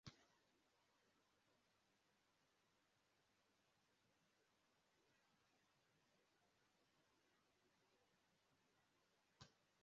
Niba urya ibiryo bitatu kumunsi, umubiri wawe uzabona imbaraga zikeneye.